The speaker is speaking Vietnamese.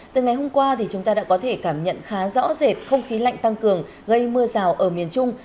từ ngày hôm qua thì chúng ta đã có thể cảm nhận khá rõ rệt không khí lạnh tăng cường gây mưa rào ở miền trung